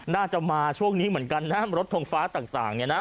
น่าจะมาช่วงนี้เหมือนกันนะรถทงฟ้าต่างเนี่ยนะ